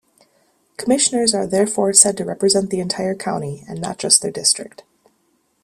Commissioners are therefore said to represent the entire county, and not just their district.